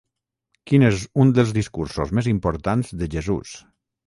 Quin és un dels discursos més importants de Jesús?